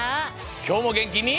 きょうもげんきに！